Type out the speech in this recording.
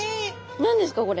何ですかこれ？